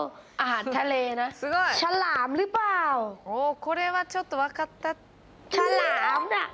これはちょっと分かった？